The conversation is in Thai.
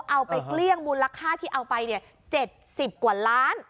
เอาไปเกลี้ยงบูรคาที่เอาไปเนี่ย๗๐กว่าล้าน